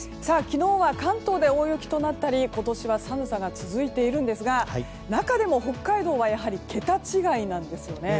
昨日は関東で大雪となったり今年は寒さが続いているんですが中でも北海道は、やはり桁違いなんです。